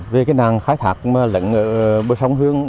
về cái nạn khai thác lấn ở bờ sông hương